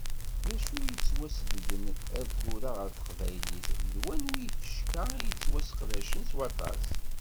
D acu i d-yettwasidgen ar tura ɣer teqbaylit, d wanwi yifecka i yettwasseqdacen s waṭas?